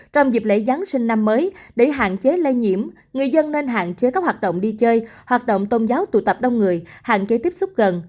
trong dịp lễ giáng sinh năm mới để hạn chế lây nhiễm người dân nên hạn chế các hoạt động đi chơi hoạt động tôn giáo tụ tập đông người hạn chế tiếp xúc gần